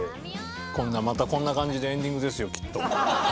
こんなまたこんな感じでエンディングですよきっと。